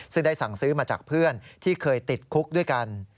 ซึ่งได้สั่งซื้อมาจากเพื่อนที่เคยติดคุกด้วยกัน